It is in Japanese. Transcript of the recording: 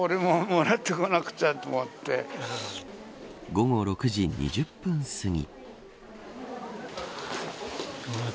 午後６時２０分すぎ。